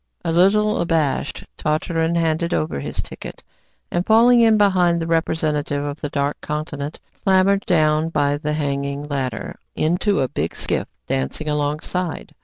A little abashed, Tartarin handed over his ticket, and falling in behind the representative of the Dark Continent, clambered down by the hanging ladder into a big skiff dancing alongside.